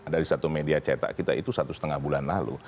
dari satu media cetak kita itu satu setengah bulan lalu